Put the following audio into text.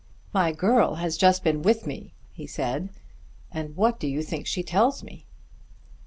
"My girl has just been with me," he said, "and what do you think she tells me?"